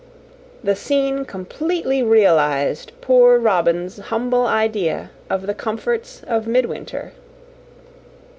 The scene completely realised Poor Robin's humble idea of the comforts of midwinter.